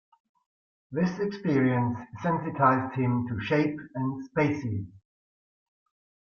This experience sensitized him to shape and spaces.